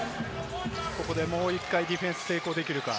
ここでもう１回ディフェンス成功できるか。